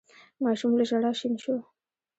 ماشوم له ژړا شين شو.